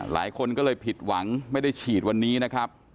หลายคนก็เลยผิดหวังไม่ได้ฉีดวันนี้นะครับ